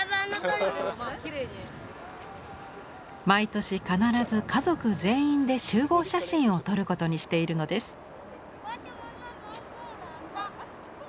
毎年必ず家族全員で集合写真を撮ることにしているのです。